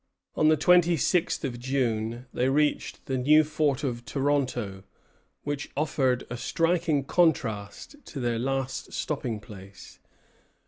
On the twenty sixth of June they reached the new fort of Toronto, which offered a striking contrast to their last stopping place.